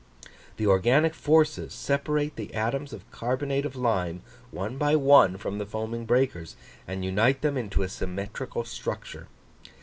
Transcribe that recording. The organic forces separate the atoms of carbonate of lime, one by one, from the foaming breakers, and unite them into a symmetrical structure.